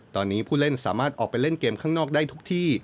ตอนนี้ผู้เล่นสามารถออกไปเล่นเกมข้างนอกได้ทุกที่